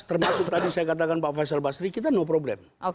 termasuk tadi saya katakan pak faisal basri kita no problem